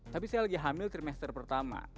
tapi saya lagi hamil trimester pertama